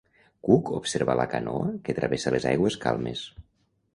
Cook observa la canoa que travessa les aigües calmes.